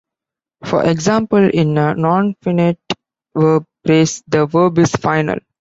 For example, in a nonfinite verb phrase the verb is final.